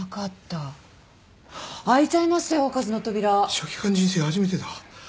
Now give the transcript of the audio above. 書記官人生初めてだ。